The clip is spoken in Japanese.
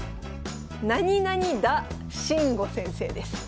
なになに田真吾先生です。